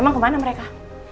emang kemana mereka